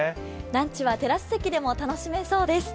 ランチはテラス席でも楽しめそうです。